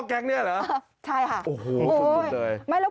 สุดยอดดีแล้วล่ะ